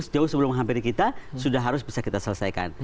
jauh sebelum menghampiri kita sudah harus bisa kita selesaikan